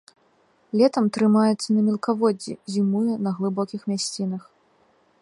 Летам трымаецца на мелкаводдзі, зімуе на глыбокіх мясцінах.